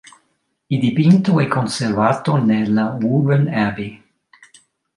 Il dipinto è conservato nella Woburn Abbey.